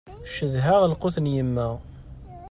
Cedhaɣ lqut n yemma.